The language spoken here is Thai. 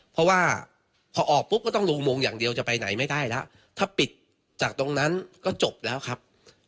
เพราะว่าพอออกปุ๊บก็ต้องลงอุโมงอย่างเดียวจะไปไหนไม่ได้แล้วถ้าปิดจากตรงนั้นก็จบแล้วครับ